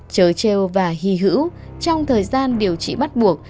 chớ treo và hy hữu trong thời gian điều trị bắt buộc